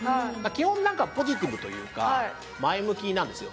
基本なんかポジティブというか前向きなんですよ